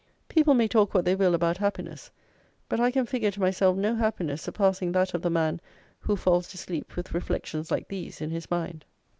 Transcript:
People may talk what they will about happiness; but I can figure to myself no happiness surpassing that of the man who falls to sleep with reflections like these in his mind.